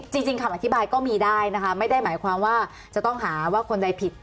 จริงคำอธิบายก็มีได้นะคะไม่ได้หมายความว่าจะต้องหาว่าคนใดผิด